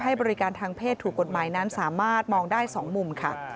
บริการทางเพศถูกกฎหมายนั้นสามารถมองได้๒มุมค่ะ